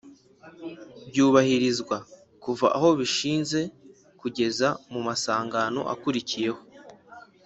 byubahirizwa kuva aho bishinze kugeza mu amasangano akurikiyeho